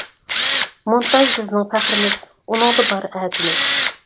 -مونتاژ بىزنىڭ پەخرىمىز، ئۇنىڭدا بار ئەتىمىز!